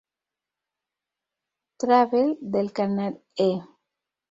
Travel"" del canal E!